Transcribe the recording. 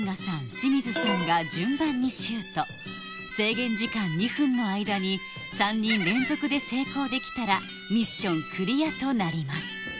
清水さんが順番にシュート制限時間２分の間に３人連続で成功できたらミッションクリアとなります